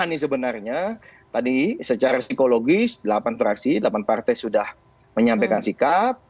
ini sebenarnya tadi secara psikologis delapan fraksi delapan partai sudah menyampaikan sikap